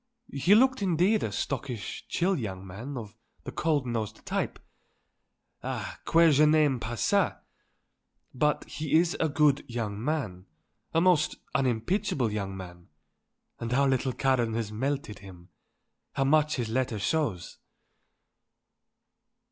"He looked indeed, a stockish, chill young man, of the cold nosed type ah, que je n'aime pas ça! but he is a good young man; a most unimpeachable young man; and our little Karen has melted him; how much his letter shows."